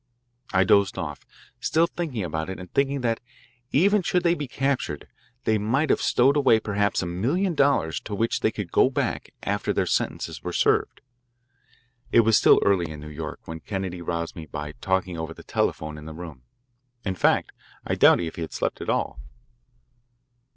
I dozed off, still thinking about it and thinking that, even should they be captured, they might have stowed away perhaps a million dollars to which they could go back after their sentences were served. It was still early for New York when Kennedy roused me by talking over the telephone in the room. In fact, I doubt if he had slept at all.